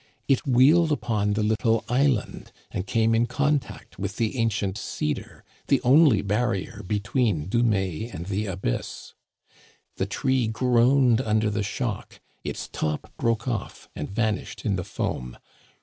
It wheeled upon the little island and came in contact with the ancient cedar, the only barrier between Dumais and the abyss. The tree groaned under the shock ; its top broke off and vanished in the foam.